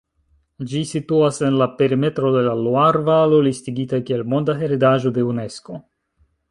Ĝi situas en la perimetro de la Luar-valo, listigita kiel Monda heredaĵo de Unesko.